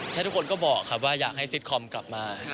ใช่ทุกคนก็บอกครับว่าอยากให้ซิตคอมกลับมา